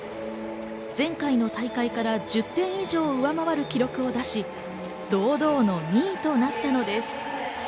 前回の大会から１０点以上上回る記録を出し、堂々の２位となったのです。